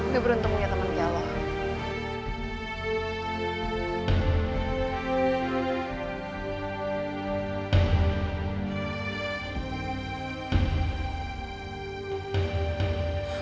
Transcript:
gue beruntung punya temen dia loh